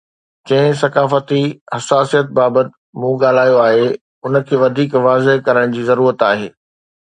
جنهن ثقافتي حساسيت بابت مون ڳالهايو آهي، ان کي وڌيڪ واضح ڪرڻ جي ضرورت آهي.